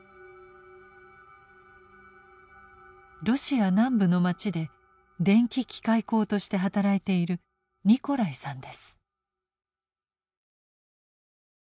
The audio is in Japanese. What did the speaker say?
ロシア南部の町で電気機械工として働いているニコライさんです。